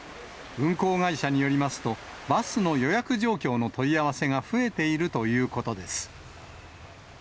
運行会社によりますと、バスの予約状況の問い合わせが増えているということです。